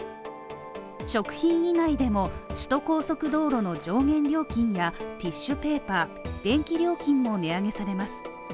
食品以外でも、首都高速道路の上限料金やティッシュペーパー電気料金も値上げされます。